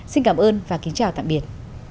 xin cảm ơn và kính chào tạm biệt